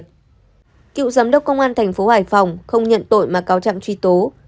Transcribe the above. cựu giám đốc công an tp hải phòng không nhận tội mà cáo chạm truy tố